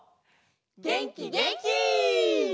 げんきげんき！